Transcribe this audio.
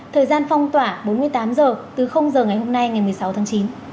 thời gian phong tỏa bốn mươi tám h từ giờ ngày hôm nay ngày một mươi sáu tháng chín